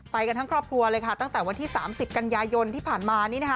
ไปกันทั้งครอบครัวเลยค่ะตั้งแต่วันที่๓๐กันยายนที่ผ่านมานี่นะคะ